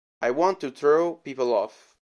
I want to throw people off.